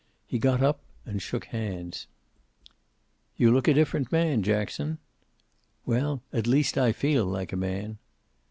He got up and shook hands. "You look like a different man, Jackson." "Well, at least I feel like a man."